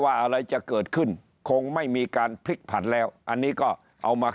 อะไรจะเกิดขึ้นคงไม่มีการพลิกผันแล้วอันนี้ก็เอามา